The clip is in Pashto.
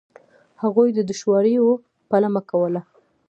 هغوی د دوشواریو پلمه کوله.